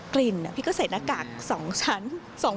ลิ่นพี่ก็ใส่หน้ากาก๒ชั้น